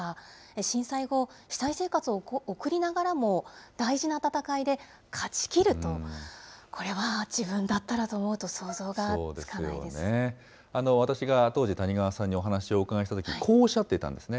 震災後、被災生活を送りながらも、大事な戦いで勝ちきると、これは自分だったらと思うと、私が当時、谷川さんにお話をお伺いしたとき、こうおっしゃっていたんですね。